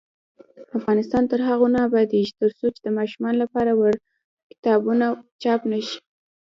افغانستان تر هغو نه ابادیږي، ترڅو د ماشومانو لپاره وړ کتابونه چاپ نشي.